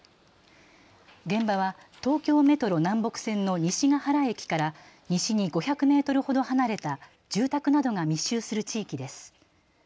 現場は東京メトロ南北線の西ヶ原駅から西に５００メートルほど離れた住宅などが密集する地域です。